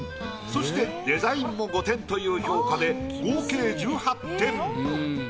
そしてデザインも５点という評価で合計１８点。